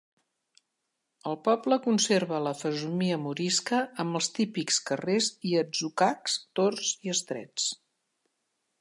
El poble conserva la fesomia morisca amb els típics carrers i atzucacs torts i estrets.